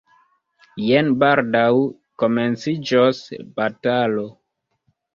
Jen baldaŭ komenciĝos batalo.